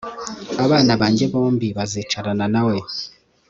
abana banjye bombi bazicarana nawe